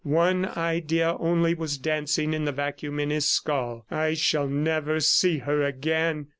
One idea only was dancing in the vacuum in his skull "I shall never see her again.